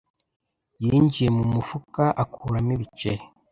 yinjiye mu mufuka akuramo ibiceri.